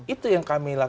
itu yang kami